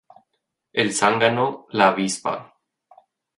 El Zángano, la Avispa